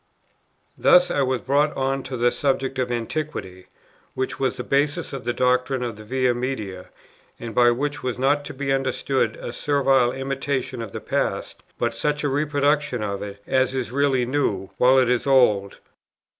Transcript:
Thus I was brought on to the subject of Antiquity, which was the basis of the doctrine of the Via Media, and by which was not to be understood a servile imitation of the past, but such a reproduction of it as is really new, while it is old.